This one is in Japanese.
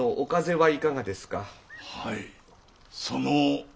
はい。